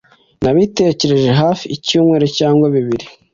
Nabitekereje hafi icyumweru cyangwa bibiri.